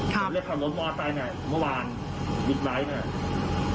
ผมเลยขับรถมอร์ไซน์เมื่อวานบิ๊กไบท์